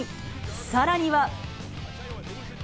さらには。